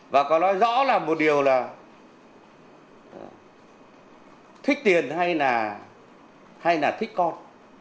và có nói rõ là một điều là thích tiền hay là thích con